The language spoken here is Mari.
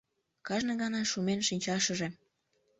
Кажне гана шумен шинчашыже...